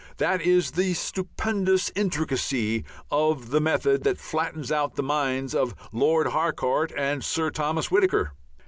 That is the stupendous intricacy of the method that flattens out the minds of Lord Harcourt and Sir Thomas Whittaker.